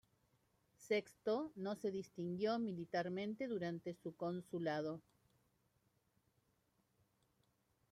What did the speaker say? Sexto no se distinguió militarmente durante su consulado.